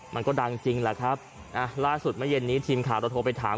มันก็ดังจริงแหละครับอ่ะล่าสุดเมื่อเย็นนี้ทีมข่าวเราโทรไปถาม